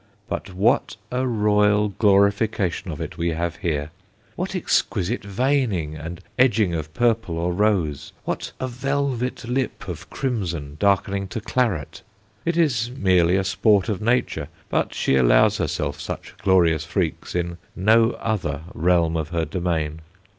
But what a royal glorification of it we have here! what exquisite veining and edging of purple or rose; what a velvet lip of crimson darkening to claret! It is merely a sport of Nature, but she allows herself such glorious freaks in no other realm of her domain.